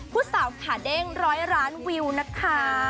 ผู้สาวขาเด้งร้อยล้านวิวนะคะ